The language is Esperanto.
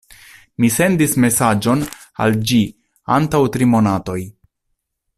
Mi sendis mesaĝon al ĝi antaŭ tri monatoj.